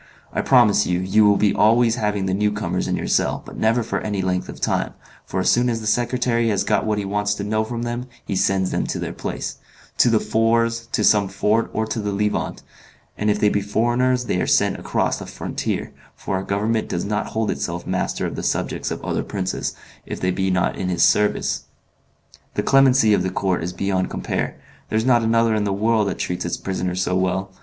I promise you you will be always having the new comers in your cell, but never for any length of time, for as soon as the secretary has got what he wants to know from them, he sends them to their place to the Fours, to some fort, or to the Levant; and if they be foreigners they are sent across the frontier, for our Government does not hold itself master of the subjects of other princes, if they be not in its service. The clemency of the Court is beyond compare; there's not another in the world that treats its prisoners so well.